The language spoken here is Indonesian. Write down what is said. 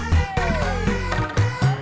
jangan mereka akan menang